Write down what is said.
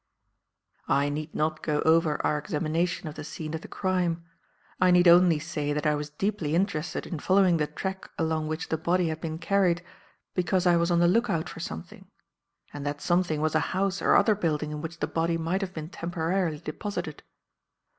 "I need not go over our examination of the scene of the crime. I need only say that I was deeply interested in following the track along which the body had been carried because I was on the look out for something; and that something was a house or other building in which the body might have been temporarily deposited.